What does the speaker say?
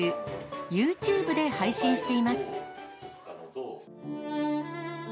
ユーチューブで配信しています。